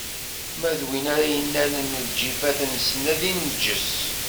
Ma d win ara yennalen lǧifat-nsen, ad inǧes.